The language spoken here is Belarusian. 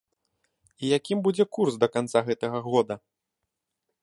І якім будзе курс да канца гэтага года?